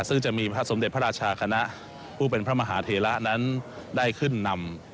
ซึ่งจะมีพระสมเด็จพระราชาคณะผู้เป็นพระมหาเทระนั้นได้ขึ้นนำ